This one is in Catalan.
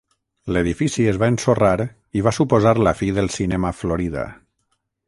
L’edifici es va ensorrar i va suposar la fi del cinema Florida.